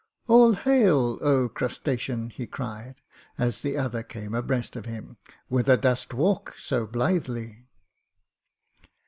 "All hail, oh, crustacean!" he cried, as the other came abreast of him. "Whither dost walk so blithely?"